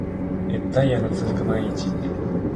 熱帯夜の続く毎日